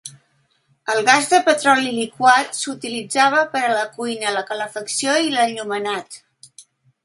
El gas de petroli liquat s'utilitzava per a la cuina, la calefacció i l'enllumenat.